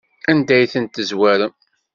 Anda ay tent-tezwarem?